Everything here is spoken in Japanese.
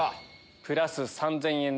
プラス３０００円です。